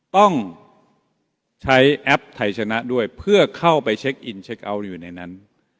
ต้องใช้แอปไทยชนะด้วยเพื่อเข้าไปเช็คอินเช็คเอาท์อยู่ในนั้น